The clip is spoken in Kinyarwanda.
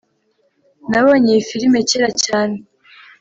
nabonye iyi firime kera cyane